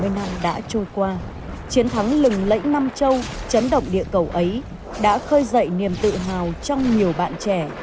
bảy mươi năm đã trôi qua chiến thắng lừng lẫy nam châu chấn động địa cầu ấy đã khơi dậy niềm tự hào trong nhiều bạn trẻ